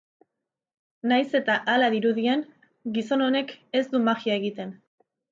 Nahiz eta hala dirudien, gizon honek ez du magia egiten.